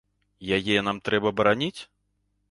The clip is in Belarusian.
Яе нам трэба бараніць?